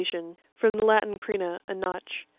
From the Latin, crena, a notch.